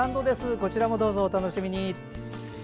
こちらもどうぞお楽しみに。